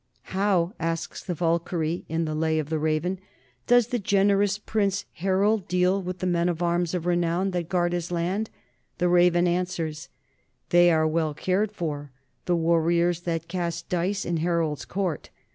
"How," asks the Valkyrie in the Lay of the Raven, "does the generous Prince Harold deal with the men of feats of renown that guard his land?" The Raven answers: They are well cared for, the warriors that cast dice in Harold's court.